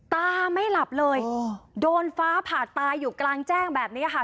ตาไม่หลับเลยโดนฟ้าผ่าตายอยู่กลางแจ้งแบบนี้ค่ะ